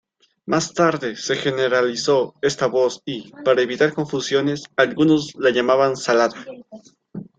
Más tarde se generalizó esta voz y, para evitar confusiones, algunos la llamaban "salada".